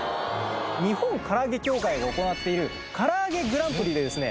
日本唐揚協会が行っているからあげグランプリでですね